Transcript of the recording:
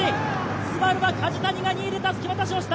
ＳＵＢＡＲＵは梶谷が２位でたすき渡しをしました。